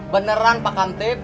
beneran pak kamtip